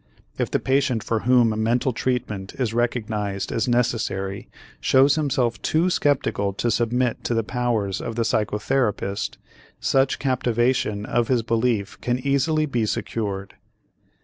If the patient for whom a mental treatment is recognized as necessary shows himself too skeptical to submit to the powers of the psychotherapist, such captivation of his belief can easily be secured.